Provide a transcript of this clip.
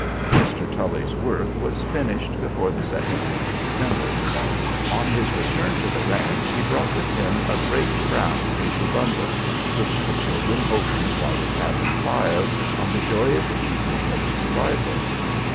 Mr. Tully's work was finished before the second week of December. On his return to the ranch he brought with him a great brown paper bundle, which the children opened by the cabin fire on the joyous evening of his arrival.